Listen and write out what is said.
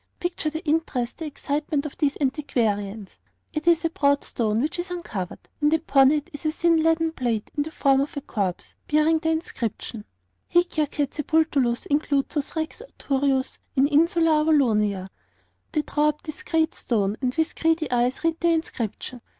Picture the interest, the excitement of these antiquarians. It is a broad stone which is uncovered, and upon it is a thin leaden plate in the form of a corpse, bearing the inscription: 'HIC JACET SEPULTUS INCLYTUS REX ARTURIUS IN INSULA AVALONIA.' They draw up this great stone, and with greedy eyes read the inscription.